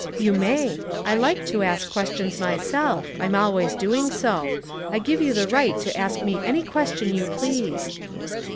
" You may. I like to ask questions myself. I'm always doing so. I give you the right to ask me any question j^ou please."